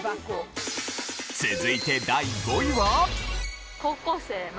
続いて第５位は。